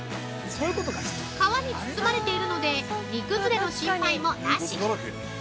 皮に包まれているので煮崩れの心配もなし！